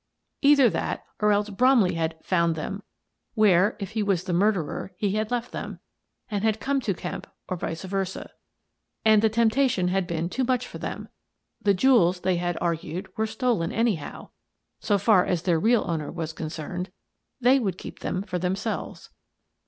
Either that, or else Bromley had " found " them where, if he was the mur derer, he had left them, and had come to Kemp, or vice versa. And the temptation had been too much for them. The jewels, they had argued, were stolen, anyhow, so far as their real owner was concerned. They would keep them for themselves.